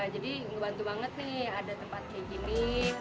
jadi membantu banget nih ada tempat kayak gini